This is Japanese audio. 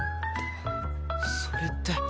それって